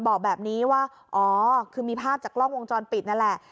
บอกแบบนี้ว่าอ๋อคือมีภาพจากกล้องวงจรปิดนั่นแหละ